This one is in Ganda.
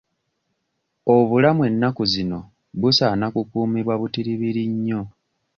Obulamu ennaku zino busaana kukuumibwa butiribiri nnyo.